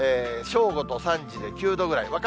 正午と３時で９度ぐらい。